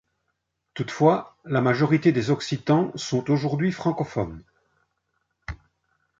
Toutefois, la majorité des Occitans sont aujourd’hui francophones.